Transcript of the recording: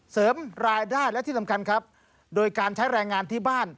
เสริมรายได้และที่สำคัญครับโดยการใช้แรงงานที่บ้าน